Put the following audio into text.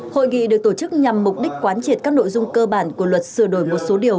hội nghị được tổ chức nhằm mục đích quán triệt các nội dung cơ bản của luật sửa đổi một số điều